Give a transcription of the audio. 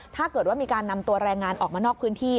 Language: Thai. ถ้าเกิดว่ามีการนำตัวแรงงานออกมานอกพื้นที่